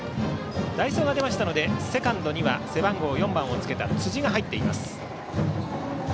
代走が出ましたのでセカンドには背番号４番をつけた辻が入っています。